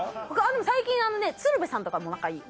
最近鶴瓶さんとかも仲いい。